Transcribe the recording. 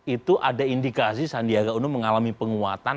itu ada indikasi sandiaga uno mengalami penguatan